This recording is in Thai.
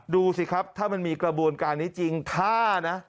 ดูสิครับถ้ามันมีกระบวนการนี้จริงถ้านะ